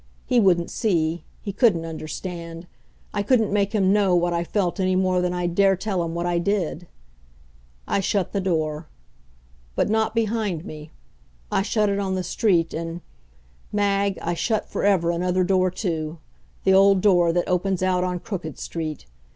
He wouldn't see. He couldn't understand. I couldn't make him know what I felt any more than I'd dare tell him what I did. I shut the door. But not behind me. I shut it on the street and Mag, I shut for ever another door, too; the old door that opens out on Crooked Street.